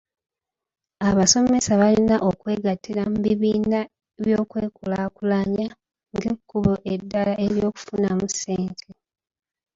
Abasomesa balina okwegattira mu bibiina by'okwekulaakulanya ng'ekkubo eddala ery'okufunamu ssente.